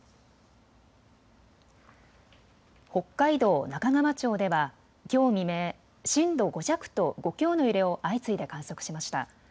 北海道中川町では、きょう未明、震度５弱と５強の揺れを相次いで観測しました。